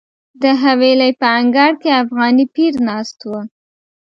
د حویلۍ په انګړ کې افغاني پیر ناست و.